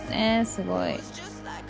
すごい。